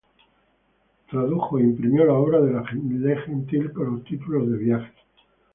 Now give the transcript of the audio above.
Tradujo e imprimió la obra de Le Gentil con el título de "Viajes".